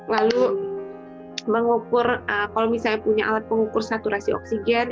lalu mengukur kalau misalnya punya alat pengukur saturasi oksigen